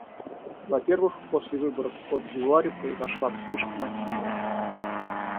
Во-первых, после выборов в Кот-д'Ивуаре произошла вспышка насилия.